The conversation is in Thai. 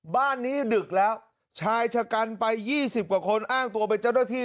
บ้านนี้ดึกแล้วชายชะกันไป๒๐กว่าคนอ้างตัวเป็นเจ้าหน้าที่